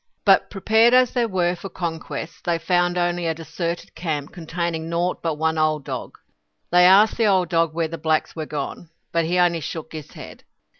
But prepared as they were for conquest, they found only a deserted camp containing naught but one old dog. They asked the old dog where the blacks were gone. But he only shook his head.